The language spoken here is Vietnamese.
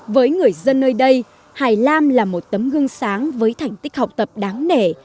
với người dân nơi đây hải lam là một tấm gương sáng với thành tích học tập đáng nể